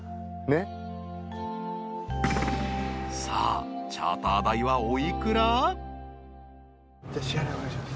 ［さあチャーター代はお幾ら？］